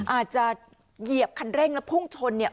อาจจะเหยียบคันเร่งและพุ่งชน